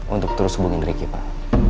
untuk terus hubungi ricky pak